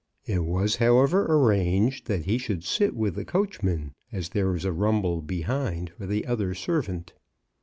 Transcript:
It was, however, arranged that he should sit with the coachman, as there was a rumble behind for the other servant.